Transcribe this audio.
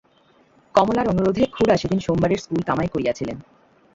কমলার অনুরোধে খুড়া সেদিন সোমবারের স্কুল কামাই করিয়াছিলেন।